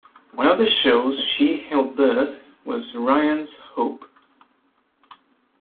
One of the shows she helped birth was "Ryan's Hope".